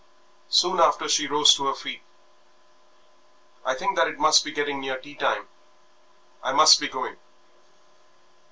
Soon after she rose to her feet. "I think that it must be getting near tea time; I must be going.